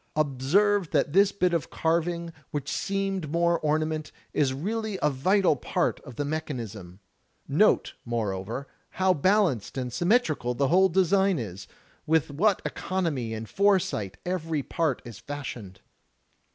Observe that this bit of carving, which seemed mere orna ment, is really a vital part of the mechanism. Note, more over, how balanced and symmetrical the whole design is, with what economy and foresight every part is fashioned.